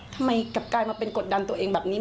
ทำไมกลับกลายมาเป็นกดดันตัวเองแบบนี้